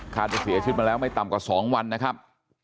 จะเสียชีวิตมาแล้วไม่ต่ำกว่า๒วันนะครับ